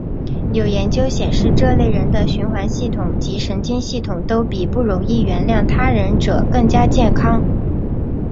有研究显示这类人的循环系统及神经系统都比不容易原谅他人者更加健康。